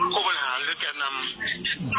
ผู้ปัญหาหรือแก่นำ